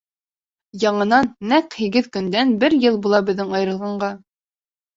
Яңынан нәҡ һигеҙ көндән бер йыл була беҙҙең айырылғанға.